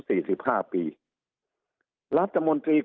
สุดท้ายก็ต้านไม่อยู่